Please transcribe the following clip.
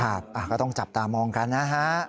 ก็ต้องจับตามองกันนะฮะ